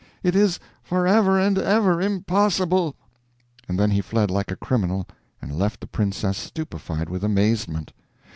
It is forever and ever impossible!" And then he fled like a criminal and left the princess stupefied with amazement.